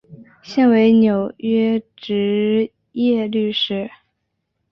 现为纽约执业律师。